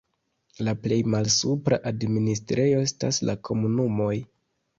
La plej malsupra administrejo estas la komunumoj.